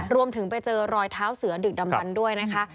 รวมถึงไปเจอรอยเท้าเสือดึกดำบันด้วยนะคะ